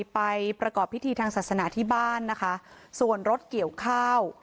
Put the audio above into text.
ไปประกอบพิธีทางศาสนาที่บ้านนะคะส่วนรถเกี่ยวข้าว